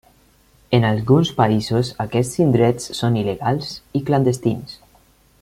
En alguns països aquests indrets són il·legals i clandestins.